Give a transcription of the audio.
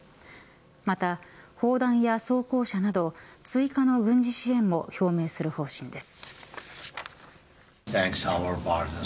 また、砲弾や装甲車など追加の軍事支援も表明する方針です。